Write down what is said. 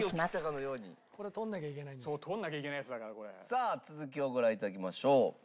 さあ続きをご覧いただきましょう。